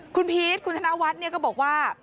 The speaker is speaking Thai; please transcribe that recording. คุณพีชคุณธนวัฒน์ก็บอกว่า